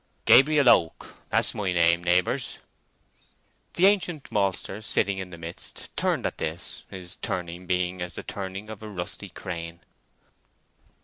"Gabriel Oak, that's my name, neighbours." The ancient maltster sitting in the midst turned at this—his turning being as the turning of a rusty crane.